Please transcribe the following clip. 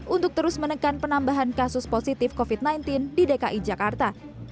untuk terus menekan penambahan kasus positif covid sembilan belas di dki jakarta